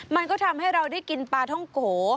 มันก็ทำให้เราได้กินปลาท่องโก